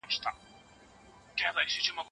د کور کړکۍ هره اونۍ پاکې کړئ.